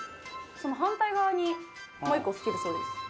その反対側にもう１個を付けるそうです。